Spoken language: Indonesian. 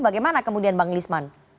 bagaimana kemudian bang lisman